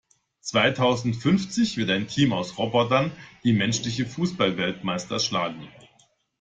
Zweitausendfünfzig wird ein Team aus Robotern die menschlichen Fußballweltmeister schlagen.